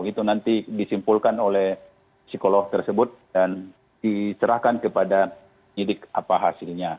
itu nanti disimpulkan oleh psikolog tersebut dan diserahkan kepada penyidik apa hasilnya